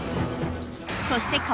［そして］